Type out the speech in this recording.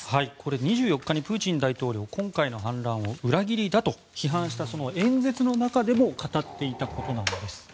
２４日にプーチン大統領今回の反乱を裏切りだと批判した演説の中でも語っていたことなんです。